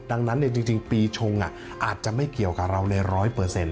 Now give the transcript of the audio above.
ดังนั้นจริงปีชงอาจจะไม่เกี่ยวกับเราเลย๑๐๐